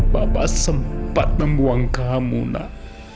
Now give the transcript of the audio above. bapak sempat membuang kamu nak